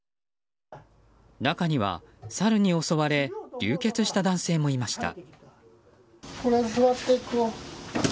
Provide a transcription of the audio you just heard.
中には、サルに襲われ流血した男性もしました。